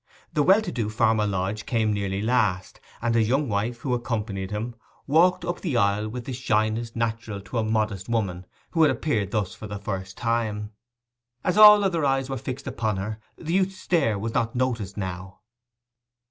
The well to do Farmer Lodge came nearly last; and his young wife, who accompanied him, walked up the aisle with the shyness natural to a modest woman who had appeared thus for the first time. As all other eyes were fixed upon her, the youth's stare was not noticed now.